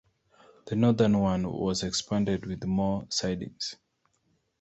The northern one was expanded with more sidings.